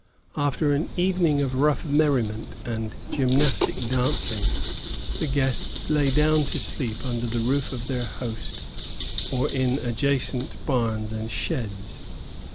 After an evening of rough merriment and gymnastic dancing, the guests lay down to sleep under the roof of their host or in adjacent barns and sheds.